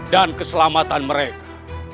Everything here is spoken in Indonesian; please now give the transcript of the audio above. dan keselamatan mereka